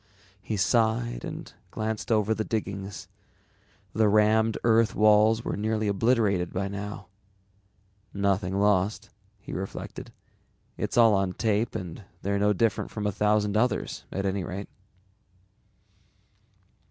_ He sighed and glanced over the diggings. The rammed earth walls were nearly obliterated by now. Nothing lost, he reflected. _It's all on tape and they're no different from a thousand others at any rate.